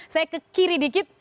saya ke kiri dikit